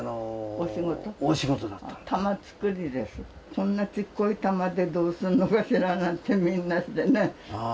こんなちっこい弾でどうすんのかしらなんてみんなしてね。